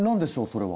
それは。